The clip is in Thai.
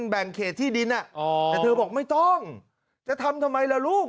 แบ่งเขตที่ดินแต่เธอบอกไม่ต้องจะทำทำไมล่ะลูก